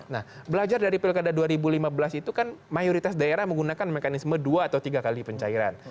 nah belajar dari pilkada dua ribu lima belas itu kan mayoritas daerah menggunakan mekanisme dua atau tiga kali pencairan